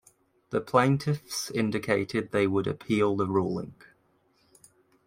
The plaintiffs indicated they would appeal the ruling.